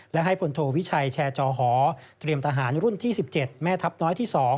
และให้พลโทวิชัยแชร์จอหอเตรียมทหารรุ่นที่๑๗แม่ทัพน้อยที่๒